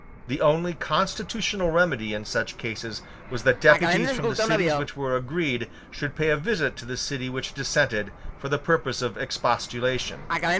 The only constitutional remedy in such cases was that deputies from the cities which were agreed should pay a visit to the city which dissented, for the purpose of expostulation.